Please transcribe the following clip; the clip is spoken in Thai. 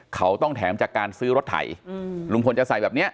เขาต้องแถมจากการซื้อรถไถลุงพลจะใส่แบบนี้